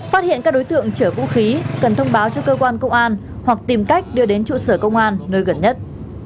phát hiện các đối tượng chở vũ khí cần thông báo cho cơ quan công an hoặc tìm cách đưa đến trụ sở công an nơi gần nhất